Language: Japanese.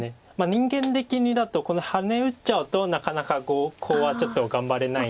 人間的にだとこのハネ打っちゃうとなかなかコウはちょっと頑張れないんですけど。